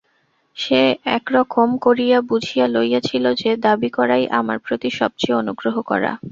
সে একরকম করিয়া বুঝিয়া লইয়াছিল যে দাবি করাই আমার প্রতি সব চেয়ে অনুগ্রহ করা।